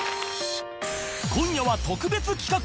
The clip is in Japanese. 今夜は特別企画